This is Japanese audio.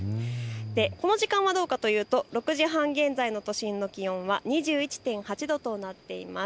この時間はどうかというと６時半現在の都心の気温は２１．８度となっています。